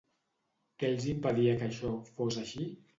Què els impedia que això fos així?